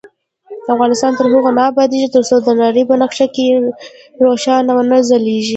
افغانستان تر هغو نه ابادیږي، ترڅو د نړۍ په نقشه کې روښانه ونه ځلیږو.